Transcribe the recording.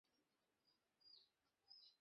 আরে এই বান্টি কোথায় নিয়ে আসলো?